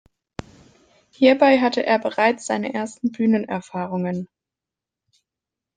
Hierbei hatte er bereits seine ersten Bühnenerfahrungen.